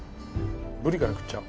ブリから食っちゃおう。